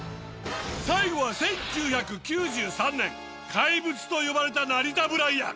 最後は１９９３年怪物と呼ばれたナリタブライアン。